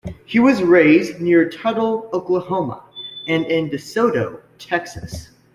He was raised near Tuttle, Oklahoma, and in DeSoto, Texas.